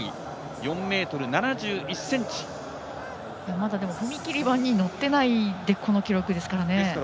まだ、踏切板に乗ってないでこの記録ですから。